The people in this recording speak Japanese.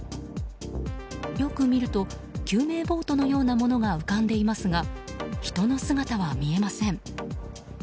よく見ると救命ボートのようなものが浮かんでいますが人の姿は見えません。